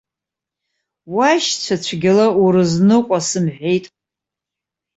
Уашьцәа цәгьала урызныҟәа сымҳәеит.